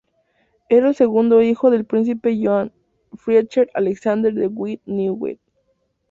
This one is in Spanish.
Era el segundo hijo del príncipe Johann Friedrich Alexander de Wied-Neuwied.